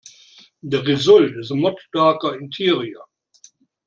The result is a much darker interior.